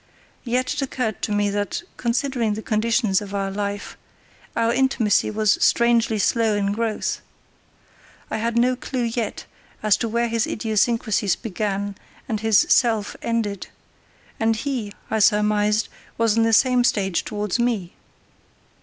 Yet it occurred to me that, considering the conditions of our life, our intimacy was strangely slow in growth. I had no clue yet as to where his idiosyncrasies began and his self ended, and he, I surmised, was in the same stage towards me.